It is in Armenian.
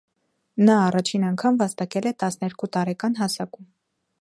Նրա առաջին անգամ վասատկել է տասներկու տարեկան հասակում։